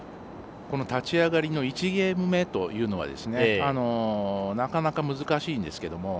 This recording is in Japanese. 立ち上がりの１ゲーム目というのはなかなか難しいんですけど